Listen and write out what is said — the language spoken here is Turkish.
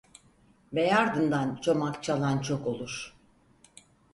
Bey ardından çomak çalan çok olur.